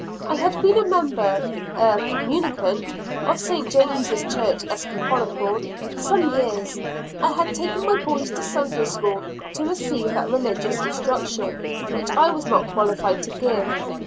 I had been a member a communicant of St. James' Church, Episcopal, some years; I had taken my boys to Sunday School, to receive that religious instruction which I was not qualified to give.